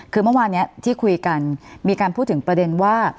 คือเมื่อวานนี้ที่คุยกันมีการพูดถึงประเด็นว่า